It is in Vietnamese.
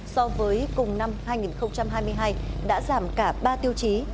so với cùng năm hai nghìn hai mươi hai đã giảm cả ba tiêu chí